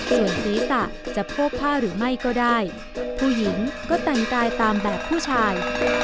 ส่วนศีรษะจะโพกผ้าหรือไม่ก็ได้ผู้หญิงก็แต่งกายตามแบบผู้ชาย